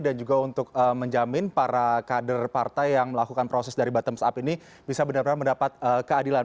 dan juga untuk menjamin para kader partai yang melakukan proses dari bottom up ini bisa benar benar mendapat keadilan